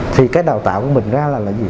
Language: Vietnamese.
thì cái đào tạo của mình ra là gì